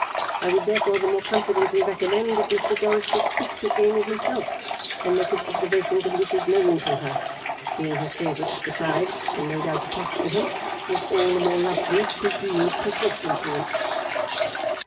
I would therefore the more confidently recommend that Mr Dorrit should speak to Amy himself, and make his observations and wishes known to her. Being his favourite, besides, and no doubt attached to him, she is all the more likely to yield to his influence.